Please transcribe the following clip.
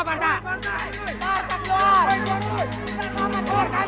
woy keluar woy